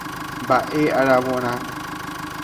Mba'e aravorã.